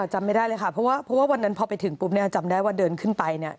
จำไม่ได้เลยค่ะเพราะว่าวันนั้นพอไปถึงปุ๊บเนี่ยจำได้ว่าเดินขึ้นไปเนี่ย